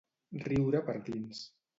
Riure per dins.